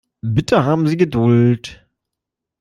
Bitte haben Sie Geduld.